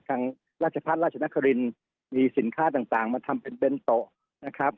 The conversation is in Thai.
ราชพัฒน์ราชนครินมีสินค้าต่างมาทำเป็นเน้นโต๊ะนะครับ